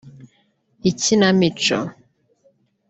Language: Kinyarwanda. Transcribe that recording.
ikinamico